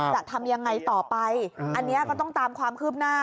จะทำยังไงต่อไปอันนี้ก็ต้องตามความคืบหน้า